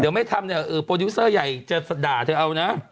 เดี๋ยวไม่ทำเนี่ยโปรดิวเซอร์ใหญ่จะด่าเธอเอานะ